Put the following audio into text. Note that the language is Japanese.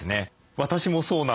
私もそうなんです。